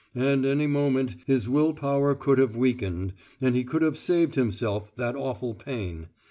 And any moment His will power could have weakened, and He could have saved Himself that awful pain.